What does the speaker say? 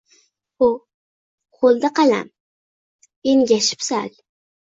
Qoʼlda qalam, engashib sal